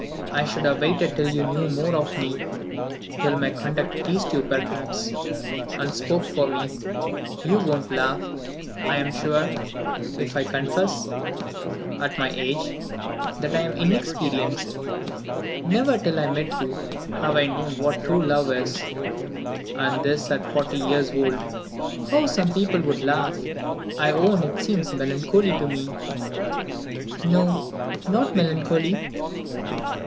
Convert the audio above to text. I should have waited till you knew more of me; till my conduct pleased you perhaps, and spoke for me. You won't laugh, I am sure, if I confess (at my age!) that I am inexperienced. Never till I met you have I known what true love is and this at forty years old. How some people would laugh! I own it seems melancholy to me." "No; not melancholy."